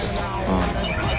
うん。